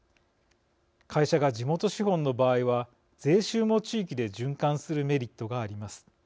会社が地元資本の場合は税収も地域で循環するメリットがあります。